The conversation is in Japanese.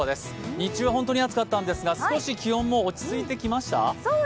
日中は本当に暑かったんですが少し気温も落ち着いてきました？